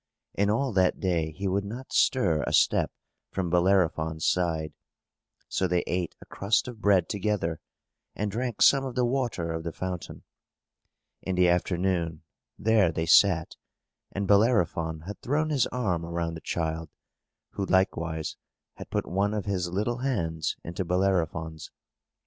And all that day he would not stir a step from Bellerophon's side; so they ate a crust of bread together, and drank some of the water of the fountain. In the afternoon, there they sat, and Bellerophon had thrown his arm around the child, who likewise had put one of his little hands into Bellerophon's.